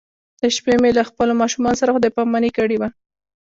د شپې مې له خپلو ماشومانو سره خدای پاماني کړې وه.